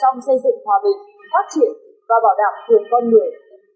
trong xây dựng hòa bình phát triển và bảo đảm quyền con người